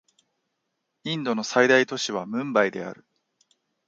インドの最大都市はムンバイである